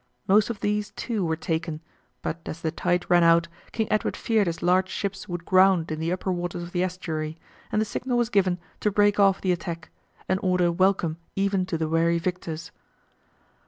Most of these, too, were taken, but as the tide ran out King Edward feared his large ships would ground in the upper waters of the estuary, and the signal was given to break off the attack, an order welcome even to the weary victors.